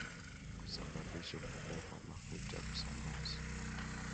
Kusababisha upungufu wa mafuta ya kusambaza moto